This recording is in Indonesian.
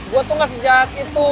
gue tuh nggak sejahat itu